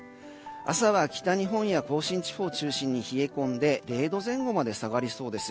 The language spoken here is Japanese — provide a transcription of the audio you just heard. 朝は北日本や甲信地方中心に冷え込んで０度前後まで冷え込みそうです。